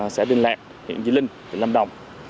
xã đình lạc huyện vĩnh linh tỉnh lâm đồng